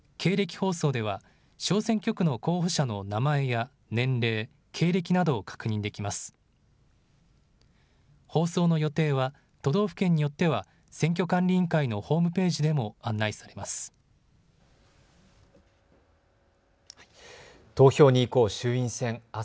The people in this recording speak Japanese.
放送の予定は都道府県によっては選挙管理委員会のホームページでも案内されます。